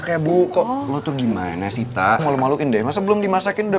keluar dulu aja gue bekerja diri kalau misalnya kayaknya black dude gitu